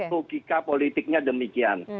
logika politiknya demikian